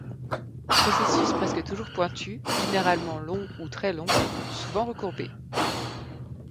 Processus presque toujours pointus, généralement longs ou très longs, souvent recourbés.